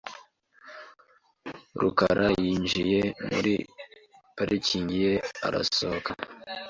rukara yinjiye muri parikingi ye arasohoka .